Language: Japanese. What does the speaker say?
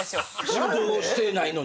仕事してないのに？